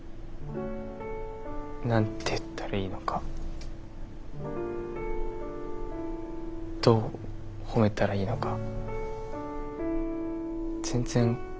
何て言ったらいいのかどう褒めたらいいのか全然言葉が出てこなくて。